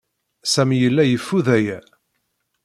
Sami yella yeffud aya.